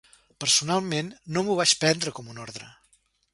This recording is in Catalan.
Personalment, no m'ho vaig prendre com una ordre.